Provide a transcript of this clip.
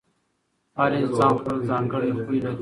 هر انسان خپل ځانګړی خوی لري.